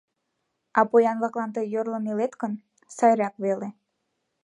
А поян-влаклан тый йорлын илет гын, сайрак веле.